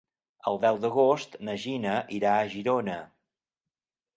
El deu d'agost na Gina irà a Girona.